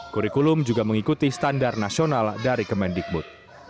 kurikulum juga mengikuti standar nasional dari kemendikbud